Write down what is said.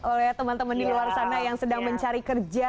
oleh teman teman di luar sana yang sedang mencari kerja